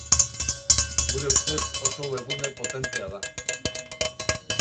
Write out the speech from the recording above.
Gure ustez oso webgune potentea da.